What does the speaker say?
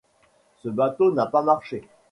Ce bateau n’a pas marché ?